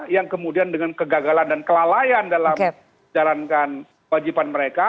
yang kemudian dengan kegagalan dan kelalaian dalam jalankan wajiban mereka